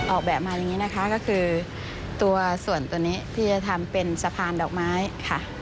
ออกแบบมาอย่างนี้นะคะก็คือตัวส่วนตัวนี้ที่จะทำเป็นสะพานดอกไม้ค่ะ